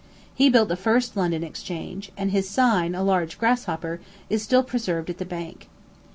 He built the first London Exchange, and his sign, a large grasshopper, is still preserved at the bank.